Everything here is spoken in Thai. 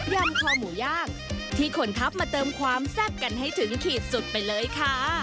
ำคอหมูย่างที่คนทัพมาเติมความแซ่บกันให้ถึงขีดสุดไปเลยค่ะ